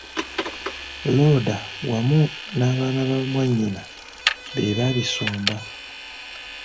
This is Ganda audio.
Looda wamu n'abaana ba mwanyina be baabisomba.